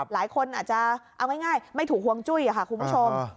หลายคนอาจจะเอาง่ายไม่ถูกฮวงจุ้ยค่ะคุณผู้ชม